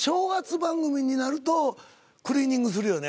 番組になるとクリーニングするよね